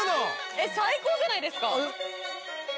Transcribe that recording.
えっ最高じゃないですか！